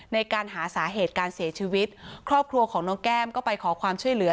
ในการหาสาเหตุการเสียชีวิตครอบครัวของน้องแก้มก็ไปขอความช่วยเหลือ